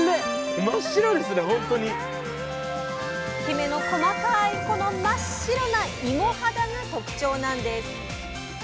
きめの細かいこの真っ白ないも肌が特徴なんです。